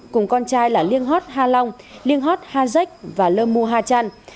cùng con trai là liên hót hà long liên hót hà dách và lâm mù hà trăn